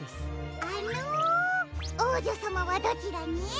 あのおうじょさまはどちらに？